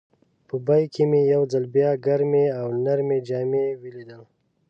په بیک کې مې یو ځل بیا ګرمې او نرۍ جامې ولیدل.